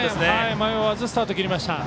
迷わずスタートを切りました。